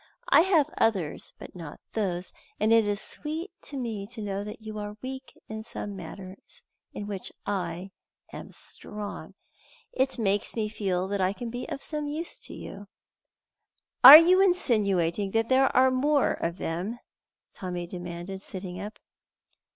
I have others, but not those, and it is sweet to me to know that you are weak in some matters in which I am strong. It makes me feel that I can be of use to you." "Are you insinuating that there are more of them?" Tommy demanded, sitting up.